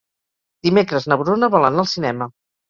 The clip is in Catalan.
Dimecres na Bruna vol anar al cinema.